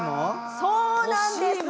そうなんです！